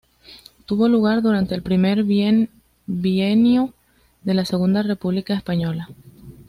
Tuvo lugar durante el primer bienio de la Segunda República Española.